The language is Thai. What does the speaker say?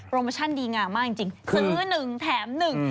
โมชั่นดีงามมากจริงจริงซื้อหนึ่งแถมหนึ่ง